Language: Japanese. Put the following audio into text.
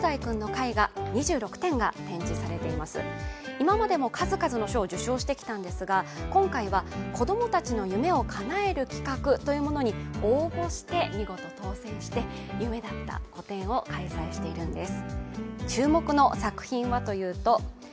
今までも数々の賞を受賞してきたんですが今回は子供たちの夢をかなえる企画というものに応募して見事当選して、夢だった個展を開催しているんです。